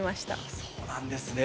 そうなんですね。